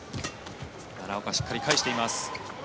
奈良岡、しっかり返しています。